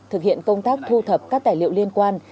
thực hiện công tác thu thập các tài liệu liên quan